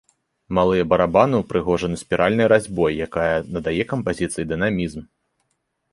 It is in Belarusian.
Малыя барабаны ўпрыгожаны спіральнай разьбой, якая надае кампазіцыі дынамізм.